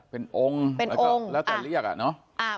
เป็นองค์ก็แล้วแต่เรียกอ่ะเนาะ